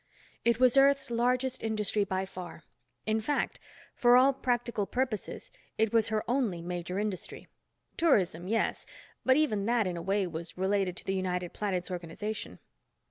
It was Earth's largest industry by far. In fact, for all practical purposes it was her only major industry. Tourism, yes, but even that, in a way, was related to the United Planets organization.